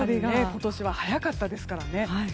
今年は早かったですからね。